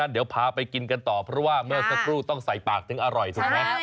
เดี๋ยวพาไปกินกันต่อเพราะว่าเมื่อสักครู่ต้องใส่ปากถึงอร่อยถูกไหม